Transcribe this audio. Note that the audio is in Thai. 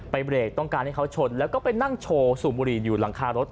เบรกต้องการให้เขาชนแล้วก็ไปนั่งโชว์สูบบุหรี่อยู่หลังคารถ